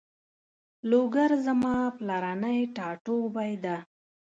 لوګر زما پلرنی ټاټوبی ده